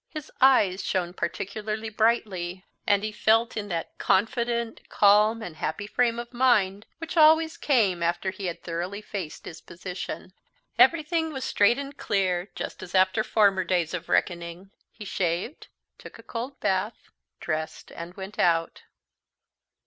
His eyes shone particularly brightly, and he felt in that confident, calm, and happy frame of mind which always came after he had thoroughly faced his position. Everything was straight and clear, just as after former days of reckoning. He shaved, took a cold bath, dressed and went out.